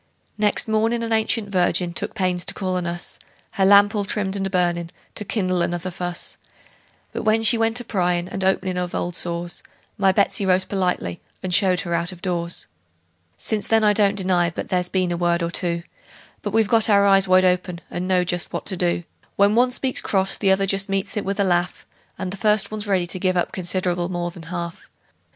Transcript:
Next mornin' an ancient virgin took pains to call on us, Her lamp all trimmed and a burnin' to kindle another fuss; But when she went to pryin' and openin' of old sores, My Betsey rose politely, and showed her out of doors. "MY BETSEY ROSE POLITELY, AND SHOWED HER OUT OF DOORS." Since then I don't deny but there's been a word or two; But we've got our eyes wide open, and know just what to do: When one speaks cross the other just meets it with a laugh, And the first one's ready to give up considerable more than half.